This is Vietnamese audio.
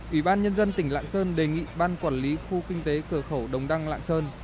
ủy ban nhân dân tỉnh lạng sơn đề nghị ban quản lý khu kinh tế cửa khẩu đồng đăng lạng sơn